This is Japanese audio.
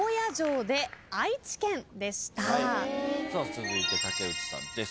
続いて竹内さんです。